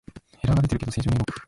エラーが出てるけど正常に動く